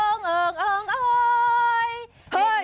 เอิงเอิงเอิงเอิง